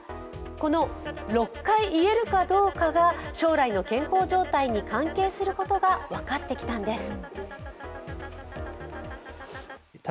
この６回言えるかどうかが将来の健康状態に関係することが分かってきたんです。